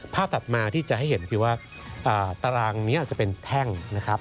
ถัดมาที่จะให้เห็นคือว่าตารางนี้อาจจะเป็นแท่งนะครับ